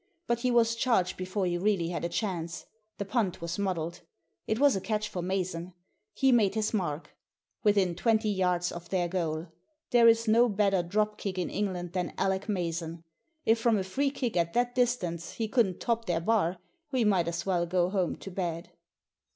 But he was charged before he really had a chance. The punt was muddled. It was a catch for Mason. He made his mark — within twenty yards of their goal ! There is no better drop kick in England than Alec Mason. If from a free kick at that distance he couldn't top their bar, we might as well go home to bed.